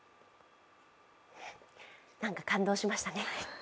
何か感動しましたね。